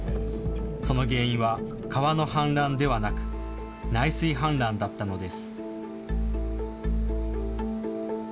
その原因は川の氾濫ではなく内水氾濫だったのです。